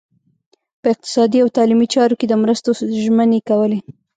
په اقتصادي او تعلیمي چارو کې د مرستو ژمنې کولې.